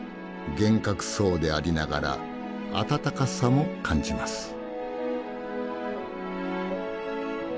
厳格そうでありながらあたたかさも感じます。